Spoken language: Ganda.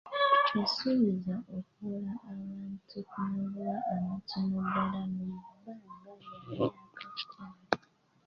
Yasuubizza okuwola abantu ku magoba amatono ddala mu bbanga lya myaka kumi.